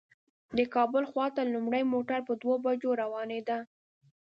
د کابل خواته لومړی موټر په دوو بجو روانېده.